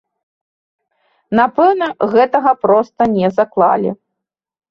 Напэўна, гэтага проста не заклалі.